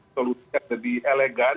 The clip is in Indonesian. solusi yang lebih elegan